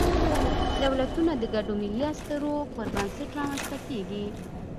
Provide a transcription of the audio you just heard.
دولتونه د ګډو ملي اسطورو پر بنسټ رامنځ ته کېږي.